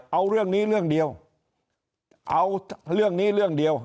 เอาเรื่องนี้เรื่องเดียวเอาเรื่องนี้เรื่องเดียว